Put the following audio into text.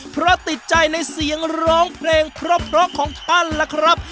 เพราะติดใจในเสียงร้องเพลงเพราะของท่านล่ะครับ